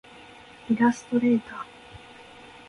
イラストレーター